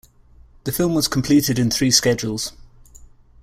The film was completed in three schedules.